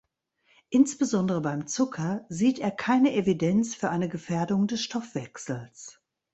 Insbesondere beim Zucker sieht er keine Evidenz für eine Gefährdung des Stoffwechsels.